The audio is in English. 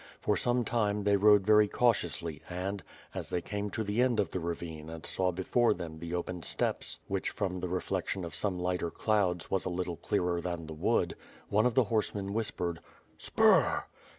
For some time they rode very cautiously and, as they came to the end of the ravine and saw before them the open steppes which from the reflection of some lighter clouds was a little clearer than the wood, one of the horsemen whispered: • "Spur!"